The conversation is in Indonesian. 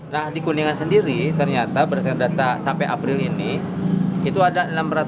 nah di kuningan sendiri ternyata berdasarkan data sampai april ini itu ada enam ratus